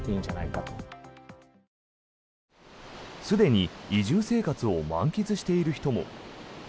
すでに移住生活を満喫している人も。